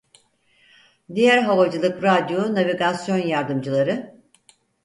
Diğer havacılık radyo navigasyon yardımcıları: